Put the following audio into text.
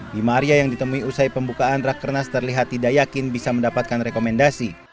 bima arya yang ditemui usai pembukaan rakernas terlihat tidak yakin bisa mendapatkan rekomendasi